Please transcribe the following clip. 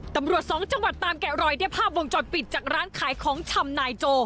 ตำรวจสองจังหวัดตามแกะรอยได้ภาพวงจอดปิดจากร้านขายของชำนายโจ